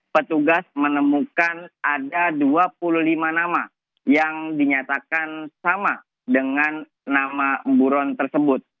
petugas menemukan ada dua puluh lima nama yang dinyatakan sama dengan nama buron tersebut